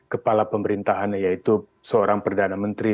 kepala pemerintahan yaitu seorang perdana menteri